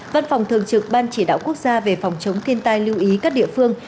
văn phòng thường trực ban chỉ đạo quốc gia về phòng chống thiên tai lưu ý các địa phương